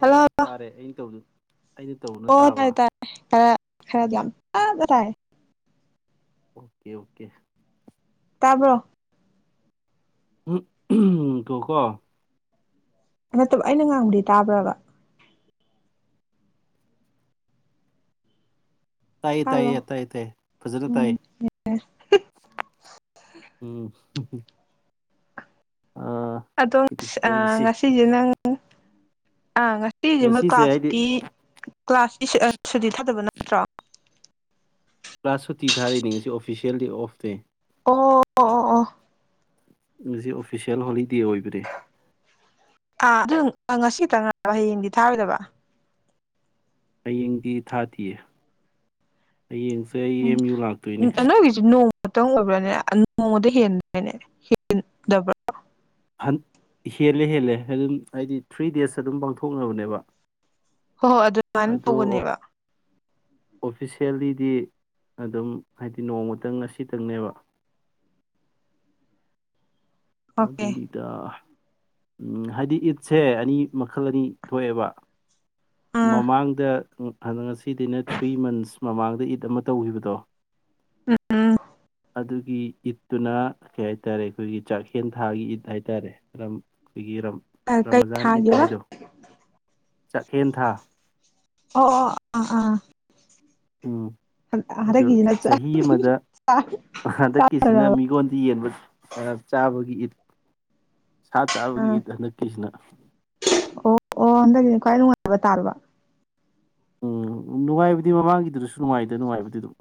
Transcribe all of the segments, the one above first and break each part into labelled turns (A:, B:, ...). A: hello
B: ꯇꯥꯔꯦ ꯑꯩꯅ ꯇꯧꯕꯗꯨ ꯑꯩꯅ ꯇꯧꯕꯅ
A: ꯑꯣ ꯇꯥꯏ
B: ꯇꯥꯕ
A: ꯇꯥꯏ ꯈꯦꯔ ꯈꯦꯔ ꯌꯥꯝ ꯇꯞꯅ ꯇꯥꯏ
B: ꯑꯣꯀꯦ ꯑꯣꯀꯦ
A: ꯇꯥꯕ꯭ꯔꯣ
B: ꯎꯝ ꯇꯨ ꯀꯣ
A: ꯅꯠꯇꯕ ꯑꯩꯅ ꯉꯥꯡꯕꯗꯤ ꯇꯥꯕ꯭ꯔꯕ
B: ꯇꯥꯏꯌꯦ ꯇꯥꯏꯌꯦ
A: ꯍꯜꯂꯣ
B: ꯇꯥꯏ ꯇꯥꯏ ꯐꯖꯅ ꯇꯥꯏ
A: ꯎꯝ
B: ꯎꯝ ꯎꯝ ꯍꯝ
A: ꯑꯗꯣ [unintelligible]
B: ꯋꯥꯔꯤꯁꯤ
A: ꯉꯁꯤꯁꯦ ꯅꯪ ꯑꯥ ꯉꯁꯤꯁꯤꯃ
B: ꯉꯁꯤꯁꯦ ꯍꯥꯏꯗꯤ
A: ꯀ꯭ꯂꯥꯁꯇꯤ ꯀ꯭ꯂꯥꯁꯇ ꯁꯗꯤ ꯊꯥꯗꯕꯅ ꯇ꯭ꯔꯥ
B: ꯀ꯭ꯂꯥꯁ ꯁꯨꯇꯤ ꯊꯥꯔꯤꯅꯤ ꯉꯁꯤ ꯑꯣꯐꯤꯁꯦꯜꯗꯤ ꯑꯣꯐ ꯗꯦ
A: ꯑꯣ ꯑꯣ ꯑ
B: ꯃꯁꯤ ꯑꯣꯐꯤꯁꯦꯜ ꯍꯣꯂꯤꯗꯦ ꯑꯣꯏꯕ꯭ꯔꯦ
A: ꯑꯥ ꯑꯗꯨ ꯉꯁꯤ ꯇꯪ ꯍꯌꯦꯡꯗꯤ ꯊꯥꯔꯣꯏꯗꯕ
B: ꯑꯌꯤꯡꯗꯤ ꯊꯥꯗꯦꯌꯦ ꯑꯩ ꯌꯦꯡꯁꯦ ꯑꯩ ꯑꯦꯝ ꯌꯨ ꯂꯥꯛꯇꯣꯏꯅꯤ
A: ꯃꯇꯝꯇꯪ ꯑꯣꯏꯕ꯭ꯔꯥꯅꯦ ꯅꯣꯡꯃꯗ ꯍꯦꯟꯗ꯭ꯔꯅꯦ ꯍꯦꯟꯗꯕ꯭ꯔꯥ
B: ꯍꯦꯜꯂꯦ ꯍꯦꯜꯂꯦ ꯑꯗꯨꯝ ꯍꯥꯏꯗꯤ ꯊ꯭ꯔꯤ ꯗꯦꯖ ꯑꯗꯨꯝ ꯄꯥꯡꯊꯣꯛꯅꯕꯅꯦꯕ
A: ꯍꯣꯏ ꯍꯣꯏ ꯑꯗꯨꯃꯥꯏꯅ
B: ꯑꯗꯣ
A: ꯇꯧꯕꯅꯦꯕ
B: ꯑꯣꯐꯤꯁꯦꯜꯂꯤꯗꯤ ꯑꯗꯨꯝ ꯍꯥꯏꯗꯤ ꯅꯣꯡꯃꯇꯪ ꯉꯁꯤꯇꯪꯅꯦꯕ
A: ꯑꯣꯀꯦ
B: ꯑꯗꯨꯅꯤꯗ ꯎꯝ ꯍꯥꯏꯗꯤ ꯏꯠꯁꯦ ꯑꯅꯤ ꯃꯈꯜ ꯑꯅꯤ ꯊꯣꯛꯑꯦꯕ
A: ꯑꯥ
B: ꯃꯃꯥꯡꯗ ꯑꯗ ꯉꯁꯤꯗꯦꯏꯟ ꯊ꯭ꯔꯤ ꯃꯟꯁ ꯃꯃꯥꯡꯗ ꯏꯠ ꯑꯃ ꯇꯧꯈꯤꯕꯗꯣ
A: ꯎꯝ ꯎꯝ
B: ꯑꯗꯨꯒꯤ ꯏꯠꯇꯨꯅ ꯀꯩ ꯍꯥꯏꯇꯥꯔꯦ ꯑꯩꯈꯣꯏꯒꯤ ꯀꯦꯟ ꯊꯥꯒꯤ ꯏꯠ ꯍꯥꯏꯇꯥꯔꯦꯝ ꯑꯗꯨꯝ ꯑꯩꯈꯣꯏꯒꯤ
A: ꯀꯩ
B: ꯔꯃꯖꯥꯟ ꯏꯠ
A: ꯊꯥꯒꯦꯕ
B: ꯍꯥꯏꯗꯣ ꯆꯥꯛꯍꯦꯟ ꯊꯥ
A: ꯑꯣ ꯑꯣ ꯑꯥ ꯑꯥ
B: ꯎꯝ ꯑꯗꯨ
A: ꯍꯟꯗꯛꯀꯤꯁꯤꯅ
B: ꯆꯍꯤ ꯑꯃꯗ ꯍꯟꯗꯛꯀꯤꯁꯤꯅ
A: ꯆꯥꯗꯔꯕ
B: ꯃꯤꯉꯣꯟꯗ ꯌꯦꯟꯕ ꯆꯥꯕꯒꯤ ꯏꯠ ꯁꯥ ꯆꯥꯕꯒꯤ
A: ꯑꯥ
B: ꯏꯠ ꯍꯟꯗꯛꯀꯤꯁꯤꯅ
A: ꯑꯣ ꯑꯣ ꯍꯟꯗꯛꯀꯤꯗꯤ ꯈ꯭ꯋꯥꯏ ꯅꯨꯡꯉꯥꯏꯕ ꯇꯥꯔꯕ
B: ꯎꯝ ꯅꯨꯡꯉꯥꯏꯕꯗꯤ ꯃꯃꯥꯡꯒꯤꯗꯨꯁꯨ ꯅꯨꯡꯉꯥꯏꯗ ꯅꯨꯡꯉꯥꯏꯕꯗꯤ ꯑꯗꯨꯗ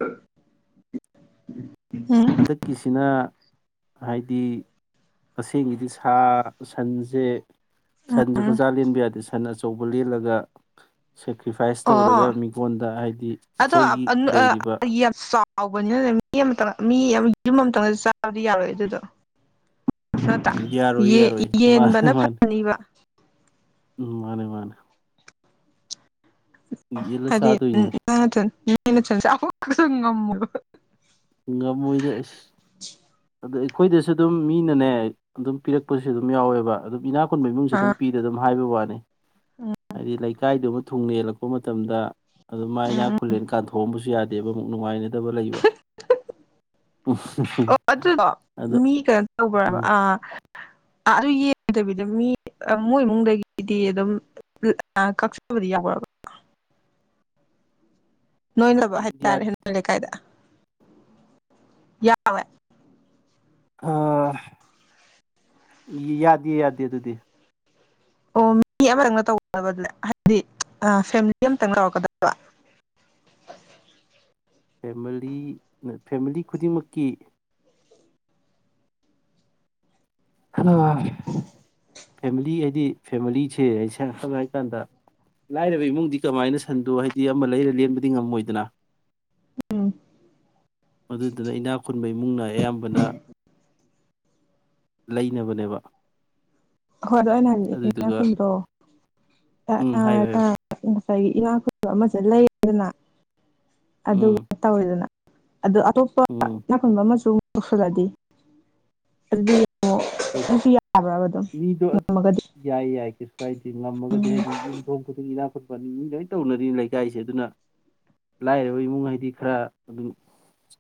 A: [inaudible] ꯑ
B: ꯁꯤꯅ ꯍꯥꯏꯗꯤ ꯑꯁꯦꯡꯒꯤꯗꯤ ꯁꯥ ꯁꯟꯁꯦ ꯁꯟꯁꯨ
A: ꯎꯝ
B: ꯃꯆꯥ ꯂꯦꯟꯕ ꯌꯥꯗꯦ ꯁꯟ ꯑꯆꯧꯕ ꯂꯦꯜꯂꯒ ꯁꯦꯀ꯭ꯔꯤꯐꯥꯏꯁ ꯇꯧꯔꯒ
A: ꯑꯣ
B: ꯃꯤꯉꯣꯟꯗ ꯍꯥꯏꯗꯤ
A: ꯑꯗꯣ
B: ꯑꯩꯈꯣꯏꯒꯤ ꯂꯩꯔꯤꯕ
A: ꯌꯥꯝ ꯆꯥꯎꯕꯅꯤꯅꯅꯦ ꯃꯤ ꯑꯃꯇꯪ ꯃꯤ ꯌꯥꯝ ꯌꯨꯝ ꯑꯃꯇꯪꯅꯗꯤ ꯆꯥꯕꯗꯤ ꯌꯥꯔꯣꯏ ꯑꯗꯨꯗꯣ
B: ꯌꯥꯔꯣꯏ ꯌꯥꯔꯣꯏ ꯃꯥꯅꯦ
A: ꯌꯦꯟꯕꯅ
B: ꯃꯥꯅꯦ
A: ꯐꯅꯤꯕ [inaudible]
B: ꯃꯥꯅꯦ ꯃꯥꯅꯦ ꯌꯦꯜꯂ
A: ꯍꯗꯤ
B: ꯆꯥꯗꯣꯏꯅꯦ
A: ꯎꯝ [inaudible] ꯉꯝ ꯃꯣꯏꯕꯥ
B: ꯉꯝꯃꯣꯏꯗ ꯑꯁ ꯑꯗ ꯑꯩꯈꯣꯏꯗꯁꯨ ꯑꯗꯨꯝ ꯃꯤꯅꯅꯦ ꯑꯗꯨꯝ ꯄꯤꯔꯛꯄꯁꯨ ꯑꯗꯨꯝ ꯌꯥꯎꯋꯦꯕ ꯑꯗꯨꯝ ꯏꯅꯥꯛ ꯈꯨꯟꯕꯥ ꯏꯃꯨꯡꯁꯨ ꯑꯗꯨꯝ
A: ꯑꯥ
B: ꯄꯤꯗ ꯑꯗꯨꯝ ꯍꯥꯏꯕ ꯋꯥꯅꯤ ꯍꯥꯏꯗꯤ ꯂꯩꯀꯥꯏꯗꯨ ꯊꯨꯡ ꯌꯦꯜꯂꯛꯄ ꯃꯇꯝꯗ ꯑꯗꯨ ꯃꯥꯏꯅꯥ
A: ꯎꯝ
B: ꯈꯨꯂꯦꯅ ꯀꯥꯟꯊꯣꯛꯑꯝꯕꯁꯨ ꯌꯥꯗꯦꯕ ꯑꯃꯨꯛ ꯅꯨꯡꯉꯥꯏꯅꯗꯕ ꯂꯩꯕ ꯎ
A: ꯑꯗꯨ ꯃꯤ ꯀꯩꯅꯣ ꯇꯧꯕ꯭ꯔꯕ ꯑꯥ ꯑ ꯑꯗꯨ ꯗꯕꯤꯗ ꯃꯤ ꯃꯣꯏ ꯏꯃꯨꯡꯗꯒꯤꯗꯤ ꯑꯗꯨꯝ ꯀꯛꯆꯕꯗꯤ ꯌꯥꯎꯔꯕꯥ ꯅꯣꯏꯅꯕ
B: ꯌꯥ
A: ꯍꯥꯏꯇꯥꯔꯦ ꯅꯣꯏ ꯂꯩꯀꯥꯏꯗ ꯌꯥꯎꯋꯦ
B: ꯑ ꯌꯥꯗꯦ ꯌꯥꯗꯦ ꯑꯗꯨꯗꯤ
A: ꯑꯣ ꯃꯤ ꯑꯃꯗꯪꯅ ꯇꯧꯒꯗꯕ ꯍꯥꯏꯕꯗꯤ ꯐꯦꯃꯤꯂꯤ ꯑꯃꯇꯪ ꯂꯧꯧꯔꯛꯀꯗꯕ
B: ꯐꯦꯃꯤꯂꯤ ꯐꯦꯃꯤꯂꯤ ꯈꯨꯗꯤꯡꯃꯛꯀꯤ ꯐꯦꯃꯤꯂꯤ ꯍꯥꯏꯗꯤ ꯐꯦꯃꯤꯂꯤꯁꯦ ꯑꯩꯁ ꯁꯪꯅ ꯍꯥꯏ ꯀꯥꯟꯗ ꯂꯥꯏꯔꯕ ꯏꯃꯨꯡꯗꯤ ꯀꯃꯥꯏꯅ ꯁꯟꯗꯣ ꯍꯥꯏꯗꯤ ꯑꯃ ꯂꯩꯔ ꯂꯦꯟꯕꯗꯤ ꯉꯝꯃꯣꯏꯗꯅ
A: ꯎꯝ
B: ꯑꯗꯨꯗꯨꯅ ꯏꯅꯥꯛ ꯈꯨꯟꯕ ꯏꯃꯨꯡ ꯅꯥ ꯑꯌꯥꯝꯕꯅ ꯂꯩꯅꯕꯅꯦꯕ
A: ꯍꯣꯏ ꯑꯗꯣ ꯑꯪꯩꯅ
B: ꯑꯗꯨꯗꯨꯒ
A: ꯏꯅꯥꯈꯨꯟꯕꯗꯣ
B: ꯎꯝ ꯍꯥꯏꯌꯨ ꯍꯥꯏꯌꯨ
A: ꯉꯁꯥꯏꯒꯤ ꯏꯅꯥꯛ ꯈꯨꯟꯕ ꯑꯃꯁꯨ ꯂꯩꯗꯅ
B: ꯎꯝ
A: ꯑꯗꯨꯒ ꯇꯧꯔꯦꯗꯅ ꯑꯗꯣ ꯑꯇꯣꯞꯄ
B: ꯎꯝ
A: ꯏꯅꯥꯈꯨꯟꯕ ꯑꯃꯁꯨꯡꯨ ꯇꯧꯁꯟꯂꯥꯗꯤ ꯑꯗꯨꯗꯤ ꯑꯣ ꯅꯪꯁꯨ ꯌꯥꯕ꯭ꯔꯥꯕ ꯑꯗꯣ
B: ꯃꯤꯗꯣ
A: ꯉꯝꯃꯒꯗꯤ
B: ꯌꯥꯏ ꯌꯥꯏ ꯀꯩꯁꯨ ꯀꯥꯏꯗꯦ
A: ꯎꯝ
B: ꯉꯝꯃꯒꯗꯤ ꯍꯥꯏꯗꯤ ꯌꯨꯝꯊꯣꯡ ꯈꯨꯗꯤꯒꯤ ꯏꯅꯥꯛ [inaudible] ꯃꯤ ꯂꯣꯏꯅ ꯇꯧꯅꯔꯤꯅꯤ ꯂꯩꯀꯥꯏꯁꯦ ꯑꯗꯨꯅ ꯂꯥꯏꯔꯕ ꯏꯃꯨꯡ ꯍꯥꯏꯗꯤ ꯈꯔ ꯑꯗꯨꯝ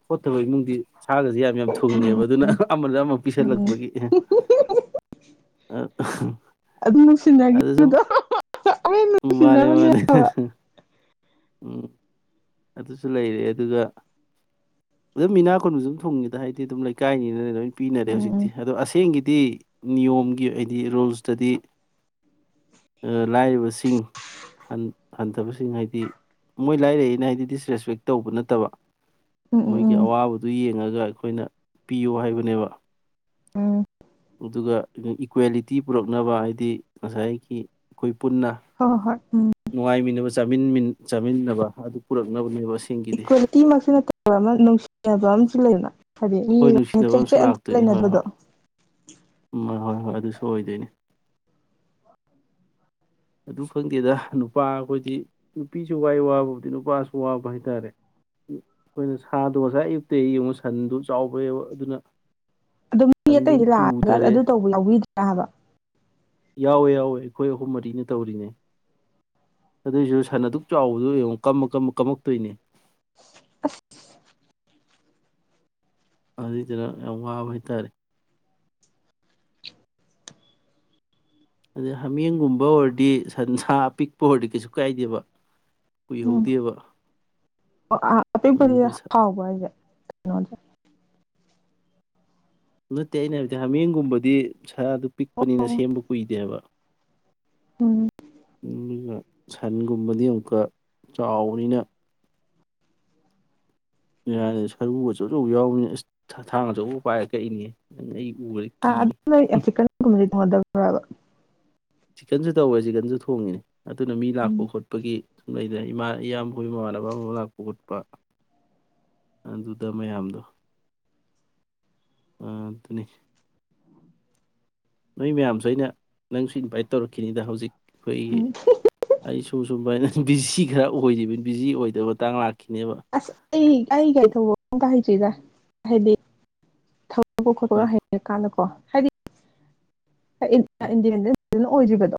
B: ꯈꯣꯠꯇꯕ ꯏꯃꯨꯡꯗꯤ ꯁꯥꯒꯁꯦ ꯌꯥꯝ ꯌꯥꯝ ꯊꯨꯡꯉꯦꯕ ꯑꯗꯨꯅ ꯑꯃꯗ ꯑꯃ
A: ꯎꯝ ꯎꯝ
B: ꯄꯤꯁꯜꯂꯛꯄꯒꯤ
A: ꯑꯗꯨꯝ
B: ꯑ ꯑꯁꯨ
A: ꯅꯨꯡꯁꯤꯅꯈꯤꯕꯗꯣ ꯑꯃꯨꯛ
B: ꯃꯥꯔꯦ
A: ꯅꯨꯡꯁꯤꯅꯕꯅꯦ
B: ꯃꯥꯔꯦ ꯎꯝ ꯑꯗꯨꯁꯨ ꯂꯩꯔꯦ ꯑꯗꯨꯒ ꯑꯗꯨꯝ ꯃꯤꯅꯥ ꯈꯨꯨꯟꯕꯁꯨ ꯑꯗꯨꯝ ꯊꯨꯡꯉꯦꯗ ꯍꯥꯏꯕꯗꯤ ꯑꯗꯨꯝ ꯂꯩꯀꯥꯏꯅꯤꯅꯅ ꯂꯣꯏ ꯄꯤꯅꯔꯦ ꯍꯧꯖꯤꯛꯇꯤ
A: ꯎꯝ
B: ꯑꯗꯣ ꯑꯁꯦꯡꯒꯤꯗꯤ ꯅꯤꯌꯣꯝꯒꯤ ꯍꯥꯏꯗꯤ ꯔꯨꯜꯁꯇꯗꯤ ꯂꯥꯏꯔꯕꯁꯤꯡ ꯍꯟꯊꯕꯁꯤꯡ ꯍꯥꯏꯗꯤ ꯃꯣꯏ ꯂꯥꯏꯔꯛꯏꯅ ꯍꯥꯏ ꯗꯤꯁ ꯔꯦꯁꯄꯦꯛ ꯇꯧꯕ ꯅꯠꯇꯕ
A: ꯎꯝ ꯎꯝ ꯎꯝ
B: ꯃꯣꯏꯒꯤ
A: ꯎꯝ
B: ꯑꯋꯥꯕꯗꯨ ꯌꯦꯡꯉꯒ ꯑꯩꯈꯣꯏ ꯑꯩꯈꯣꯏꯅ ꯄꯤꯌꯨ ꯍꯥꯏꯕꯅꯦꯕ
A: ꯑꯝ
B: ꯑꯗꯨꯒ ꯏꯀ꯭ꯋꯦꯂꯤꯇꯤ ꯄꯨꯔꯛꯅꯕ ꯍꯥꯏꯗꯤ ꯉꯁꯥꯏꯒꯤ ꯑꯩꯈꯣꯏ ꯄꯨꯟꯅ
A: ꯍꯣꯏ ꯍꯣꯏ ꯍꯣꯏ ꯎꯝ
B: ꯅꯨꯡꯉꯥꯏꯃꯤꯟꯅꯕ ꯆꯥꯃꯤꯟꯅꯕ ꯑꯗꯨ ꯄꯨꯔꯛꯅꯕꯅꯦꯕ ꯑꯁꯦꯡꯒꯤꯗꯤ
A: ꯀꯤꯃꯛꯁꯨ ꯅꯠꯇꯕ ꯑꯃ ꯅꯨꯡꯁꯤꯅꯕ ꯑꯃ ꯁꯤ ꯂꯩꯅ ꯍꯥꯏꯗꯤ
B: ꯍꯣꯏ
A: ꯃꯤꯇ꯭ꯔꯦ
B: ꯅꯨꯡꯁꯤꯅꯕ
A: ꯍꯥꯏꯆꯦꯠ ꯑꯝꯇ ꯂꯩꯅꯗꯕꯗꯣ ꯎ
B: ꯑꯎ ꯍꯣꯏ ꯍꯣꯏ ꯑꯗꯨꯁꯨ ꯑꯣꯏꯗꯣꯏꯅꯦ ꯑꯗꯨ ꯈꯪꯗꯦꯗ ꯅꯨꯄꯥ ꯑꯩꯈꯣꯏꯗꯤ ꯅꯨꯄꯤꯁꯨ ꯋꯥꯏ ꯋꯥꯕꯕꯨꯕꯗꯤ ꯅꯨꯄꯥꯁꯨ ꯋꯥꯕ ꯍꯥꯏꯇꯥꯔꯦ ꯑꯩꯈꯣꯏꯅ ꯁꯥꯗꯣ ꯉꯁꯥꯏ ꯑꯌꯨꯛꯇꯒꯤ ꯌꯦꯡꯉ ꯁꯟꯗꯣ ꯆꯥꯎꯕꯩꯕ ꯑꯗꯨꯅ
A: ꯑꯗꯨ ꯃꯤ
B: ꯁꯟꯗꯨꯝ
A: ꯑꯇꯩꯗꯤ ꯂꯥꯛꯑꯒ ꯑꯗꯨ
B: ꯇꯨꯊꯔꯦ
A: ꯇꯧꯕ ꯌꯧꯕꯤꯗ꯭ꯔꯥ ꯍꯥꯏꯕ
B: ꯌꯥꯎꯋꯦ ꯌꯥꯎꯋꯦ ꯑꯩꯈꯣꯏ ꯑꯍꯨꯝ ꯃꯔꯤꯅꯤ ꯇꯧꯔꯤꯅꯦ ꯑꯗꯨꯏꯁꯨ ꯁꯟ ꯑꯗꯨꯛ ꯆꯥꯎꯕꯗꯣ ꯌꯦꯡꯉꯣ ꯀꯝꯃ ꯀꯃ ꯀꯝꯃꯛꯇꯣꯏꯅꯦ
A: [inaudible]
B: ꯑꯗꯨꯗꯨꯅ ꯌꯥꯝ ꯋꯥꯕ ꯍꯥꯏꯇꯥꯔꯦ ꯑꯗꯩ ꯍꯥꯃꯦꯡꯒꯨꯝꯕ ꯑꯣꯏꯔꯗꯤ ꯁꯟꯁꯥ ꯑꯄꯤꯛꯄ ꯑꯣꯏꯔꯗꯤ ꯀꯩꯁꯨ ꯀꯥꯏꯗꯦꯕ
A: ꯎꯝ
B: ꯀꯨꯏꯍꯧꯗꯦꯕ
A: ꯑꯄꯤꯛꯄꯗꯤ
B: ꯑꯗꯨꯒ
A: ꯍꯥꯎꯕ ꯍꯥꯏꯁꯦ ꯀꯩꯅꯣꯁꯦ
B: ꯅꯠꯇꯦ ꯑꯩꯅ ꯍꯥꯏꯕꯗꯤ ꯍꯥꯃꯦꯡꯒꯨꯝꯕꯗꯤ ꯁꯥꯔꯗꯨ ꯄꯤꯛꯄꯅꯤꯅ ꯁꯦꯝꯕ ꯀꯨꯏꯗꯦꯕ
A: ꯎꯝ
B: ꯑꯗꯨꯒ ꯁꯟꯒꯨꯝꯕꯗꯤ ꯑꯃꯨꯛꯀ ꯆꯥꯎꯕꯅꯤꯅ ꯌꯥꯔꯦ ꯁꯔꯨ ꯑꯆꯧ ꯑꯆꯧꯕ ꯌꯥꯎꯕꯅꯤ ꯑꯁ ꯊꯥꯡ ꯑꯆꯧꯕ ꯄꯥꯏꯔ ꯀꯛꯏꯅꯦ ꯅꯪ ꯑꯩ ꯎꯕꯗ ꯀꯤꯔꯦ
A: ꯅꯣꯏ ꯆꯤꯛꯀꯟꯒꯨꯝꯕꯗꯤ [unintelligible]
B: ꯆꯤꯛꯀꯟꯁꯨ ꯇꯧꯋꯦ ꯆꯤꯀꯟꯁꯨ ꯊꯣꯡꯉꯤꯅꯦ ꯑꯗꯨꯅ ꯃꯤ ꯂꯥꯛꯄ
A: ꯎꯝ
B: ꯈꯣꯠꯄꯒꯤ ꯂꯩꯗꯅ ꯏꯃꯥ ꯏꯌꯥꯝꯕꯣꯏ ꯃꯃꯥꯟꯅꯕ ꯑꯃ ꯂꯥꯛꯄ ꯈꯣꯠꯄ ꯑꯗꯨꯗ ꯃꯌꯥꯝꯗꯣ ꯑ ꯑꯗꯨꯅꯤ ꯅꯣꯏ ꯃꯌꯥꯝꯁꯨ ꯑꯩꯅ ꯅꯪꯁꯨ ꯏꯟꯚꯥꯏꯠ ꯇꯧꯔꯛꯈꯤꯅꯤꯗ ꯍꯧꯖꯤꯛ ꯑꯩꯈꯣꯏꯒꯤ
A: ꯎꯝ
B: ꯑꯩꯁꯨ ꯁꯨꯝꯕ ꯍꯥꯏꯅ ꯕꯤꯖꯤ ꯈꯔ ꯑꯣꯏꯔꯤꯕꯅꯤ ꯕꯤꯖꯤ ꯑꯣꯏꯗꯕ ꯃꯇꯥꯡ ꯂꯥꯛꯇ
A: ꯑꯁ ꯑꯩ ꯑꯩ ꯀꯥꯏ ꯊꯧꯕꯣ [unintelligible] ꯀ ꯁꯤꯗ ꯍꯥꯏꯕꯤ ꯇꯧꯕ ꯈꯣꯠꯂꯒ
B: ꯎꯝ
A: ꯍꯩꯔ ꯀꯥꯟꯗ ꯀꯣ ꯍꯥꯏꯔꯤ ꯏ
B: ꯎꯝ
A: ꯏꯟꯗꯤꯔ ꯏ [unintelligible] ꯑꯣꯏꯖꯕꯗ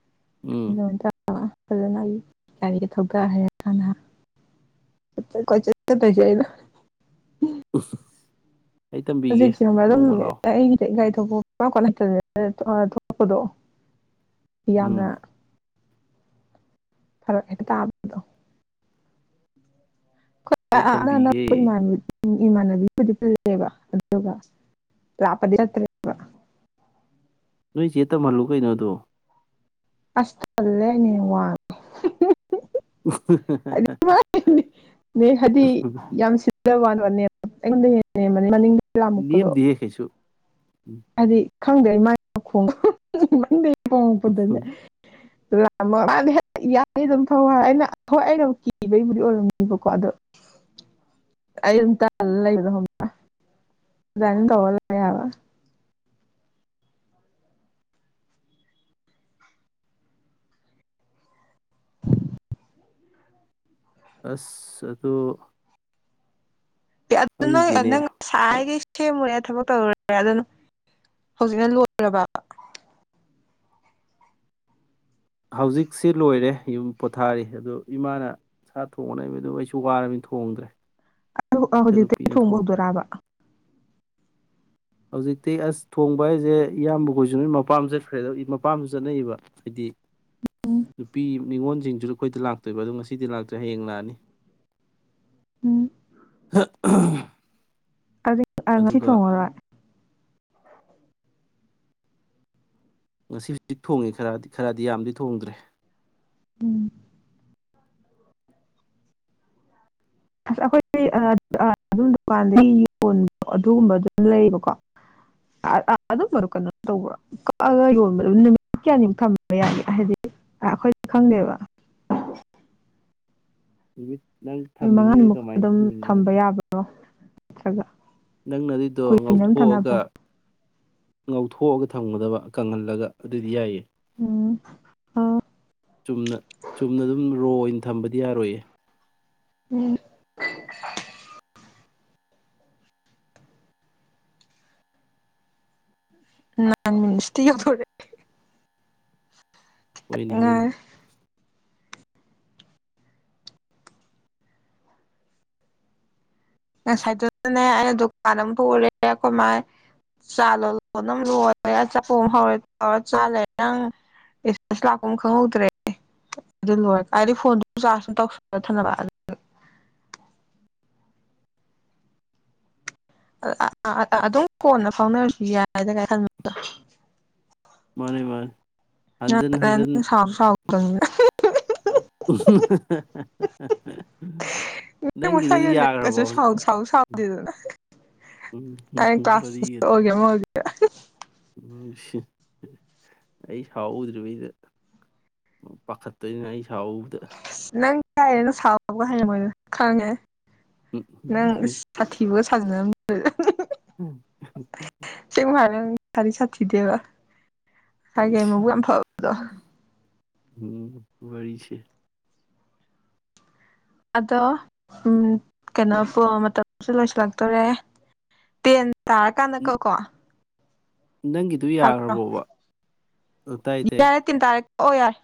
A: [unintelligible]
B: ꯎꯝ
A: [unintelligible] ꯐꯖꯅ ꯑꯩ ꯒꯥꯔꯤꯒ ꯊꯧꯗ ꯍꯥꯟꯅ ꯆꯠꯇꯣꯏꯁꯦ ꯑꯩꯩꯅꯥ
B: ꯑꯩ ꯇꯝꯕꯤꯒꯦ
A: ꯍꯧꯖꯤꯛ ꯁꯤꯒꯨꯝꯕ ꯑꯗꯨꯝ
B: ꯅꯣꯡꯃ ꯂꯥꯛꯑꯣ
A: ꯑꯩꯒꯤ [unintelligible] ꯀꯂꯛꯇ ꯊꯣꯛꯂꯛꯄꯗꯣ ꯌꯥꯝꯅ
B: ꯎꯝ
A: ꯐꯔꯛ ꯍꯦꯛꯇ ꯇꯕꯗꯣ
B: ꯑꯩ ꯇꯝꯕꯤꯒꯦ
A: [unintelligible] ꯎ ꯏꯃꯥꯟꯅꯕꯤꯕꯨꯗꯤ [unintelligible] ꯐꯦꯕ ꯑꯗꯨꯒ ꯂꯥꯞꯄꯗꯤ ꯆꯠꯇ꯭ꯔꯦꯕ
B: ꯅꯣꯏ ꯆꯦ ꯇꯝꯍꯜꯂꯨ ꯀꯩꯅꯣꯗꯣ
A: ꯑꯁꯂꯦ ꯅ ꯋꯥ ꯅꯦ ꯍꯥꯏꯗꯤ ꯌꯥꯝ ꯁꯤꯟꯖꯕꯅ ꯀ [unintelligible]
B: ꯅꯦꯝꯗꯦꯌꯦ ꯀꯩꯁꯨ
A: ꯑꯗꯤ ꯈꯪꯗꯦ ꯑꯩ ꯃꯥꯏ ꯃꯈꯣꯡꯗꯨ [unintelligible] ꯌꯥꯅꯤ ꯑꯗꯨꯝꯧꯔ ꯑꯩꯅꯣꯏ ꯑꯩꯅꯕꯨ ꯀꯤꯕꯒꯤꯕꯨꯗꯤ ꯑꯣꯏꯔꯝꯅꯤꯕꯀꯣ ꯑꯗꯣ ꯑꯩ ꯑꯗꯨꯝ ꯇ ꯂꯩꯕꯗ ꯑꯗꯨꯃꯥꯏꯅ ꯇꯧꯔ ꯂꯕ
B: ꯑꯁ ꯑꯗꯨ ꯈꯪꯗꯦꯅꯦ
A: ꯑꯗꯨꯅ ꯁꯥꯏ [unintelligible] ꯁꯦꯝꯃꯨꯔꯦ ꯊꯕꯛ ꯇꯧꯔꯨꯔꯦ ꯑꯗꯨꯅ ꯍꯧꯖꯤꯛꯅ ꯂꯣꯏꯔꯕ
B: ꯍꯧꯖꯤꯛꯁꯤ ꯂꯣꯏꯔꯦ ꯌꯨꯝ ꯄꯣꯊꯥꯔꯤ ꯑꯗꯨ ꯏꯃꯥꯅ ꯁꯥ ꯊꯣꯡꯅ ꯃ ꯑꯗꯨ ꯑꯩꯁꯨ ꯋꯥꯔꯕꯅꯤ ꯊꯣꯡꯗ꯭ꯔꯦ
A: ꯍꯧꯖꯤꯛꯇꯤ
B: ꯏꯆꯟꯅꯨꯄꯤꯅ
A: ꯊꯣꯡꯕ
B: ꯊꯣꯡꯉꯦ
A: ꯍꯧꯗꯣꯔꯕ
B: ꯍꯧꯖꯤꯛꯇꯤ ꯑꯁ ꯊꯣꯡꯕ ꯍꯥꯏꯁꯦ ꯏꯌꯥꯝꯕꯈꯣꯏꯁꯨ ꯅꯣꯏ ꯃꯄꯥꯝ ꯆꯠꯈ꯭ꯔꯦ ꯃꯄꯥꯝꯁꯨ ꯆꯠꯅꯩꯕ ꯍꯥꯏꯗꯤ ꯅꯨꯄꯤ ꯃꯤꯉꯣꯜꯁꯤꯡꯁꯨ ꯑꯩꯈꯣꯏꯗ ꯂꯥꯛꯇꯣꯏꯕ ꯑꯗꯨꯣ ꯉꯁꯤꯗꯤ ꯂꯥꯛꯇ꯭ꯔꯦ ꯍꯌꯦꯡ ꯂꯥꯛꯑꯅꯤ
A: ꯎꯝ ꯑꯗꯨ ꯉꯁꯤ
B: ꯑꯗꯨꯒ
A: ꯊꫭꯡꯉꯥꯔꫭꯏ
B: ꯉꯁꯤ ꯍꯧꯖꯤꯛ ꯊꯣꯡꯉꯤ ꯈꯔꯗꯤ ꯈꯔꯗꯤ ꯌꯥꯝꯗꯤ ꯊꯣꯡꯗ꯭ꯔꯦ
A: ꯎꯝ ꯑꯁ ꯑꯩꯈꯣꯏ ꯑꯗꯨꯝ ꯗꯨꯀꯥꯟꯗꯒꯤ ꯌꯣꯟꯕ ꯑꯗꯨꯒꯨꯝꯕ ꯑꯗꯨꯝ ꯂꯩꯕꯀꯣ ꯑꯗꯨꯝꯕꯗꯣ ꯀꯩꯅꯣ ꯇꯧꯕ꯭ꯔꯣ ꯀꯛꯑꯒ ꯌꯣꯟꯕꯗꯣ ꯅꯨꯃꯤꯠ ꯀꯌꯥꯅꯤꯃꯨꯛ ꯊꯝꯕ ꯌꯥꯒꯦ ꯍꯥꯏꯗꯤ ꯑꯩꯈꯣꯏꯗꯤ ꯈꯪꯗꯦꯕ
B: ꯅꯨꯃꯤꯠ ꯅꯪ
A: ꯅꯨꯃꯤꯠ
B: ꯊꯝꯅꯤꯡꯉꯤꯁꯦ
A: ꯃꯉꯥꯃꯨꯛꯇ
B: ꯀꯃꯥꯏꯅ
A: ꯑꯗꯨꯝ
B: ꯊꯝꯅꯤꯡꯉꯤꯅꯣ
A: ꯊꯝꯕ ꯌꯥꯕ꯭ꯔꯣ ꯁꯒ
B: ꯅꯪꯅ ꯑꯗꯨꯏꯗꯣ ꯉꯧꯊꯣꯛꯑꯒ ꯉꯧꯊꯣꯛꯑꯒ ꯊꯝꯒꯗꯕ ꯀꯪꯍꯜꯂꯒ ꯑꯗꯨꯗꯤ ꯌꯥꯏꯌꯦ
A: ꯎꯝ ꯑ
B: ꯆꯨꯝꯅ ꯆꯨꯝꯅ ꯑꯗꯨꯝ ꯔꯣ ꯑꯣꯏꯅ ꯊꯝꯕꯗꯤ ꯌꯥꯔꯣꯏꯌꯦ
A: ꯎꯝ ꯅ ꯃꯤꯁꯇꯗꯔꯦ
B: ꯑꯣꯏꯣꯏꯅꯦ ꯍꯣꯏꯅꯦ
A: ꯉꯁꯥꯏꯗꯨꯗꯅꯦ ꯑꯩꯅ ꯗꯨꯀꯥꯟ ꯑꯃ ꯄꯨꯔꯦ ꯀꯃꯥꯏ ꯆꯥ ꯂꯣꯜꯂꯦ ꯆꯥꯛꯄ ꯍꯧꯔꯦꯧ ꯆꯥꯜꯂꯦ ꯅꯪ ꯂꯥꯛꯄ ꯈꯪꯍꯧꯗ꯭ꯔꯦ ꯑꯗꯨ ꯂꯣꯏ ꯍꯥꯏꯗꯤ ꯐꯣꯟꯗꯨ ꯆꯧ ꯊꯅꯕ ꯑꯗꯨꯝ ꯀꯣꯟꯅ ꯐꯥꯎꯅꯔꯁꯨ ꯌꯥꯏꯗ ꯀꯥꯏ ꯈꯜꯕ
B: ꯃꯥꯅꯤ ꯃꯥ
A: ꯁꯥꯎ ꯁꯥꯎꯗꯅꯦ ꯅ
B: ꯅꯪꯒꯤꯗꯨꯗꯤ
A: ꯃꯁꯥꯏꯒꯤꯅꯦ
B: ꯌꯥꯈ꯭ꯔꯕꯣ
A: ꯀꯁꯨ
B: ꯍꯧꯖꯤꯛ
A: ꯁꯥꯎ ꯁꯥꯎ ꯁꯥꯎꯗꯦꯗꯅ
B: ꯎꯝ
A: ꯇꯥꯏꯡ
B: ꯎꯝ
A: ꯀ꯭ꯂꯥꯁ
B: ꯋꯥꯔꯤꯒꯗꯤ
A: ꯑꯣꯏꯒꯦꯒꯦ
B: ꯎꯝ ꯑꯩ ꯁꯥꯎꯗ꯭ꯔꯤꯕꯩꯗ ꯄꯥꯈꯠꯇꯣꯏꯅ ꯑꯩ ꯍꯥꯎꯗ
A: ꯌꯥꯏꯔꯦꯅ ꯁꯥꯎꯕꯒ ꯍꯥꯏꯌꯦꯉ ꯃꯣꯏꯗ ꯈꯪꯉꯦ
B: ꯎꯝ
A: ꯅꯪ ꯁꯥꯇꯤꯕꯨ ꯁꯖꯅ ꯎꯝ
B: ꯎꯝ
A: ꯁꯤꯤꯗꯦꯕ ꯍꯥꯏꯦ ꯃ ꯐꯥꯎꯗꯣ
B: ꯎꯝ ꯋꯥꯔꯤꯔꯤꯁ
A: ꯑꯗꯣ ꯀꯩꯅꯣ ꯃꯇꯝꯁꯨ ꯂꯣꯏꯁꯤꯜꯂꯛꯇꯣꯔꯦ ꯇꯦꯟ ꯇꯥꯔ ꯀꯥꯟꯅꯀꯣꯀꯣ
B: ꯅꯪꯒꯤꯗꯨ ꯌꯥꯈ꯭ꯔꯕꯣꯕ ꯇꯥꯏ ꯇꯥꯏ
A: ꯑꯣ ꯌꯥꯏ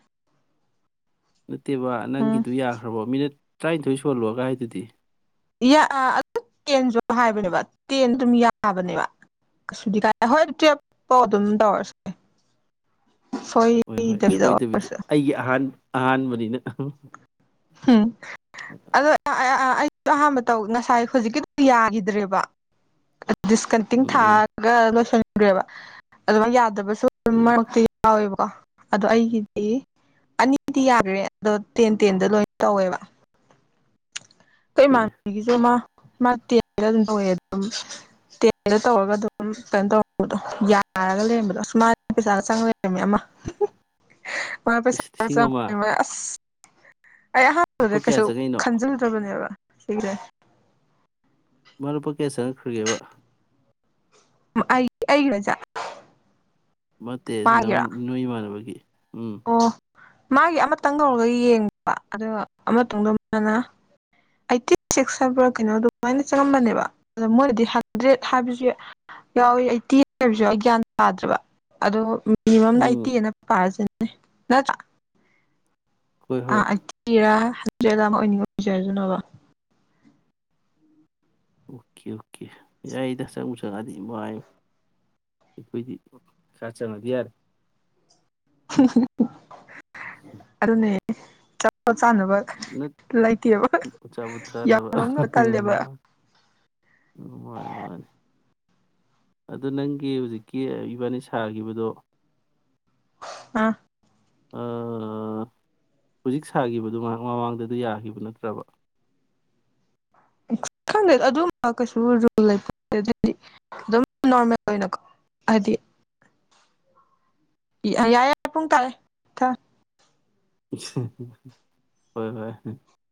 B: ꯅꯠꯇꯦꯕ ꯅꯪꯒꯤꯗꯨ ꯌꯥꯈ꯭ꯔꯕꯣ ꯃꯤꯅꯠ ꯇꯔꯥꯅꯤꯊꯣꯏ ꯁꯣꯜꯂꯣꯒꯥꯏꯗꯨꯗꯤ
A: ꯑꯗꯨ ꯇꯦꯟꯁꯨ ꯍꯥꯏꯕꯅꯦꯕ ꯇꯦꯟ ꯑꯗꯨꯝ ꯌꯥꯕꯅꯦꯕ ꯀꯩꯁꯨꯗꯤ ꯀꯥꯏ ꯍꯣꯏ ꯇꯨꯋꯦꯜꯞ ꯐꯥꯎ ꯑꯗꯨꯝ ꯇꯧꯔꯁꯦ
B: ꯍꯣꯏ ꯍꯣꯏ ꯁꯣꯏꯗꯕꯤꯗ ꯑꯩꯒꯤ ꯑꯍꯥꯟꯕ ꯑꯍꯥꯟꯕꯅꯤꯅ
A: ꯎꯝ ꯑꯗꯣ ꯑꯍꯥꯟꯕ ꯇꯧ ꯉꯁꯥꯏ ꯍꯧꯖꯤꯛꯀꯤ ꯌꯥꯈꯤꯗ꯭ꯔꯦꯕ ꯗꯤꯁꯀꯇꯤꯡ
B: ꯎꯝ
A: ꯊꯥꯔꯒ ꯂꯣꯏ ꯦꯕ ꯑꯗꯨ ꯌꯥꯗꯕꯁꯨ
B: ꯍꯣꯏ
A: ꯃꯔꯛꯇ ꯌꯥꯎꯋꯦꯕ ꯀ ꯑꯗꯣ ꯑꯩꯒꯤꯗꯤ ꯑꯅꯤꯗꯤ ꯌꯥꯗ꯭ꯔꯦ ꯑꯗꯣ ꯇꯦꯟ ꯇꯦꯟꯗ ꯂꯣꯏ ꯇꯧꯋꯦꯕ ꯀꯩ
B: ꯐꯩꯅꯦ
A: ꯃꯥꯈꯤꯒꯦꯁꯦ ꯃꯥ ꯃꯥ ꯇꯦꯟꯦꯗ ꯑꯗꯨꯝ ꯇꯧꯋꯦ ꯑꯗꯨꯝ ꯇꯦꯟꯦꯗ ꯇꯧꯔꯒ ꯑꯗꯨꯝ ꯀꯩꯅꯣ ꯇꯧꯔꯗꯣ ꯌꯥꯔꯒ ꯂꯩꯔꯝꯕꯗꯣ ꯁꯨꯃꯥꯏꯅ ꯄꯩꯁꯥꯒ ꯆꯪ ꯂꯩꯔꯝꯃꯦ ꯑꯃ
B: ꯑꯁ ꯂꯤꯁꯤꯡ ꯑꯃ
A: [unintelligible] ꯑꯩ
B: ꯂꯨꯄꯥ
A: ꯑꯍꯥꯟꯕꯗ
B: ꯀꯌꯥ
A: ꯀꯩꯁꯨ
B: ꯆꯪꯉꯛꯏꯅꯣ
A: ꯈꯟꯖꯜꯂꯗ꯭ꯔꯕꯅꯤ ꯭ [unintelligible]
B: ꯃꯔꯨꯞꯄ ꯀꯥꯌꯥ ꯆꯪꯉꯛꯈ꯭ꯔꯒꯦꯕ
A: ꯑꯩ ꯑꯩꯒꯤꯔꯣ ꯍꯥꯏꯖꯦ
B: ꯅꯠꯇꯦ ꯅꯣꯏ ꯏꯃꯥꯟꯅꯕꯒꯤ ꯎꯝ
A: ꯑꯣ ꯃꯥꯒꯤ ꯑꯃꯇꯪ ꯇꯧꯔꯒ ꯌꯦꯡꯕ ꯑꯗꯣ ꯑꯃꯇꯗ ꯃꯥꯅ ꯑꯩꯠꯇꯤ ꯁꯤꯛꯁ ꯍꯥꯏꯕ꯭ꯔꯥ ꯀꯩꯅꯣ ꯑꯗꯨꯃꯥꯏꯅ ꯆꯪꯉꯝꯕꯅꯦꯕ ꯑꯗꯣ ꯃꯣꯏꯅꯗꯤ ꯍꯟꯗ꯭ꯔꯦꯠ ꯍꯥꯏꯕꯁꯨ ꯌꯥꯎꯋꯤ ꯑꯩꯠꯇꯤ ꯍꯥꯏꯕꯁꯨ ꯑꯩ ꯒ꯭ꯌꯥꯟ ꯇꯥꯗ꯭ꯔꯦꯕ ꯑꯗꯣ
B: ꯎꯝ
A: ꯑꯩꯇꯤ ꯑꯅꯥ ꯄꯥꯔꯥꯁꯦ ꯅꯠꯇ꯭ꯔꯥ
B: ꯍꯣꯏ ꯍꯣꯏ
A: ꯑꯩꯇꯤꯔꯥ ꯍꯟꯗ꯭ꯔꯦꯠꯂꯥ ꯍꯣꯏꯗꯥ ꯑꯃ ꯑꯣꯏꯅꯤꯡꯉ ꯑꯣꯏꯖꯩ ꯑꯗꯨꯅꯕ
B: ꯑꯣꯀꯦ ꯑꯣꯀꯦ ꯌꯥꯏꯗ ꯆꯪꯕꯨ ꯆꯪꯉꯛꯑꯗꯤ ꯑꯩꯈꯣꯏꯗꯤ ꯈꯔ ꯆꯪꯉꯗꯤ ꯌꯥꯔꯦ
A: ꯑꯗꯨꯅꯦ ꯆ [inaudible]
B: ꯆꯥꯕꯨ
A: ꯌꯥꯝ
B: ꯆꯠꯂꯣꯕ
A: ꯂꯧꯅꯕ ꯇꯜꯂꯦꯕ
B: ꯃꯥꯅꯤ ꯃꯥꯅꯤ ꯑꯗꯨ ꯅꯪꯒꯤ ꯍꯧꯖꯤꯛꯀꯤ ꯏꯕꯥꯅꯤ ꯁꯥꯈꯤꯕꯗꯣ
A: ꯑꯥ
B: ꯍꯧꯖꯤꯛ ꯁꯥꯈꯤꯕꯗꯨ ꯃꯃꯥꯡꯗꯗꯤ ꯌꯥꯈꯤꯕ ꯅꯠꯇ꯭ꯔꯕ
A: ꯈꯪꯗꯦ ꯑꯗꯨꯝꯕ ꯀꯩꯁꯨ ꯂꯩ ꯑꯗꯨꯗꯤ ꯑꯗꯨꯝ ꯅꯣꯔꯃꯦꯜ ꯑꯣꯏꯅꯀꯣ ꯍꯥꯏꯗꯤ ꯌꯥꯏꯔꯦ ꯄꯨꯡ ꯇꯥꯔꯦ ꯊꯝꯃꯦ
B: ꯍꯣꯏ ꯍꯣꯏ